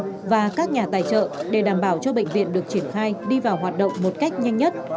thủ tướng đánh giá tài trợ để đảm bảo cho bệnh viện được triển khai đi vào hoạt động một cách nhanh nhất